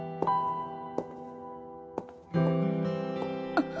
あっ。